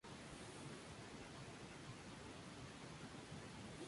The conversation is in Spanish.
Acudió a la "Rhode Island College" y se especializó en teatro.